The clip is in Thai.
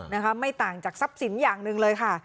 ไม่ต่างจากทรัพย์สินอย่างหนึ่งเลยค่ะ